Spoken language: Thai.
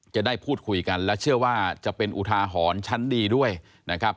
จะได้พูดคุยกันและเชื่อว่าจะเป็นอุทาหรณ์ชั้นดีด้วยนะครับ